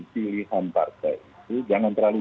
pilihan partai itu jangan terlalu